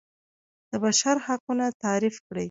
د بشر حقونه تعریف کړي.